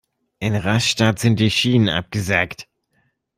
In Rastatt sind die Schienen abgesackt.